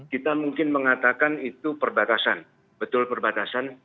kita mungkin mengatakan itu perbatasan betul perbatasan